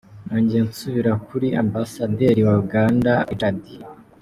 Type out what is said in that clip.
Nongeye nsubira kuri Ambasaderi wa Uganda, Richard T.